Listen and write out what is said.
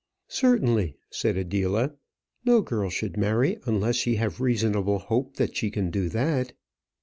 "Certainly," said Adela; "no girl should marry unless she have reasonable hope that she can do that."